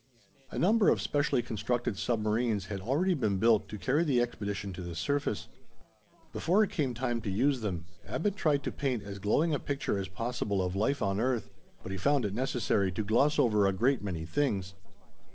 A number of specially constructed submarines had already been built to carry the expedition to the surface. Before it came time to use them, Abbot tried to paint as glowing a picture as possible of life on earth; but he found it necessary to gloss over a great many things.